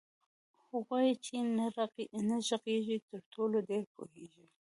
هغوئ چي نه ږغيږي ترټولو ډير پوهيږي